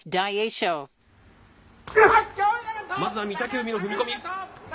まずは御嶽海の踏み込み。